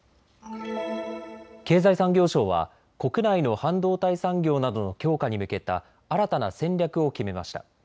経済産業省は国内の半導体産業などの強化に向けた新たな戦略を決めました。